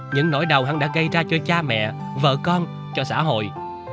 những nỗi đau hắn đã gây ra cho cha mẹ vợ con cho xã hội